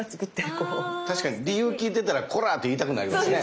確かに理由聞いてたらコラ！って言いたくなりますね。